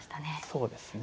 そうですね。